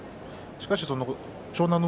しかし、湘南乃